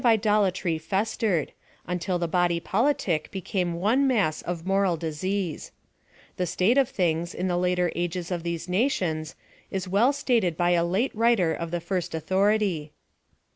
ed Schneider. 42 PHILOSOPHY OF THE of id)latry festered, until the body politic became one mass of moral disease. The state of things, in the later ages of these nations, is well stated by a iate writer of the first authority.